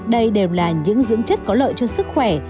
đây đều là những dưỡng chất có lợi cho sức khỏe